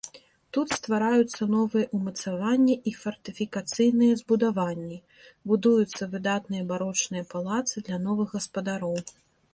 Тут ствараюцца новыя ўмацаванні і фартыфікацыйныя збудаванні, будуюцца выдатныя барочныя палацы для новых гаспадароў.